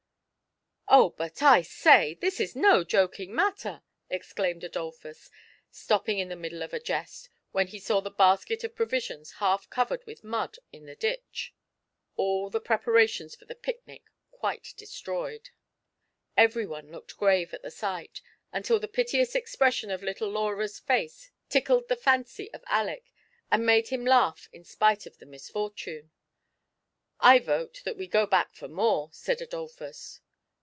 " Oh, but I say, this is no joking matter !" exclaimed Adolphus, stopping in the middle of a jest, when he saw the basket of provisions half covered with mud in the ditch — all the preparations for the picnic quite destroyed. Every one looked grave at the sight, until the piteous expression of little Laura's &ce tickled the fancy 128 THE PLEASUBE EXCURSION. of Aleck, and made him laugh in spite of the mis fortune. " I vote that we go back for more," said Adolphus.